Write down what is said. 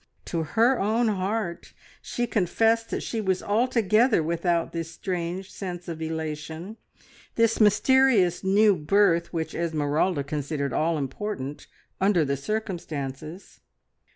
To her own heart she confessed that she was altogether without this strange sense of elation, this mysterious new birth which Esmeralda considered all important under the circumstances.